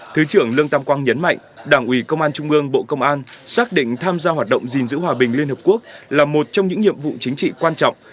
thứ trưởng lương tam quang nhấn mạnh đảng ủy công an trung ương bộ công an xác định tham gia hoạt động gìn giữ hòa bình liên hợp quốc là một trong những nhiệm vụ chính trị quan trọng